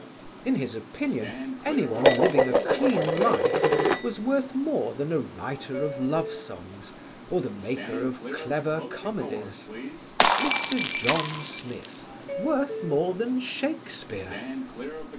In his opinion anyone living a clean life was worth more than a writer of love songs or the maker of clever comedies Mr. John Smith worth more than Shakespeare!